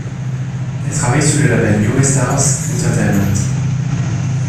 Elles travaillent sous le label Newaystars Entertainement.